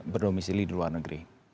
berdomisili di luar negeri